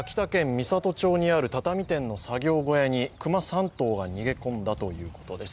美郷町にある畳店の作業小屋に熊３頭が逃げ込んだということです。